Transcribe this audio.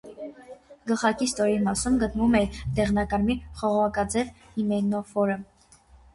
Գլխարկի ստորին մասում գտնվում է դեղնակարմիր, խողովակաձև հիմենոֆորը։